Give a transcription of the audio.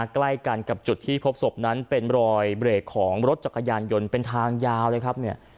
ใกล้กันกับจุดที่พบศพนั้นเป็นรอยเบรกของรถจักรยานยนต์เป็นทางยาวเลยครับเนี่ย